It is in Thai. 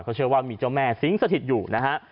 เขาเชื่อว่ามีเจ้าแม่สิงสถิตอยู่นะฮะ